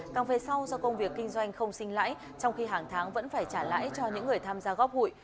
càng về sau do công việc kinh doanh không sinh lãi trong khi hàng tháng vẫn phải trả lãi cho những người tham gia góp hụi